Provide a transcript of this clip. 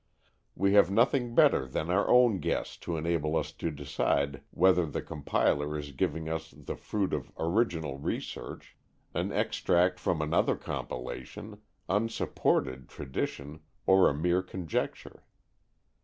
We have nothing better than our own guess to enable us to decide whether the compiler is giving us the fruit of original research, an extract from another compilation, unsupported tradition, or a mere conjecture.